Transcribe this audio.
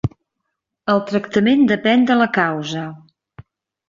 El tractament depèn de la causa.